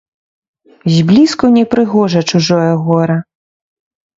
Зблізку непрыгожа чужое гора.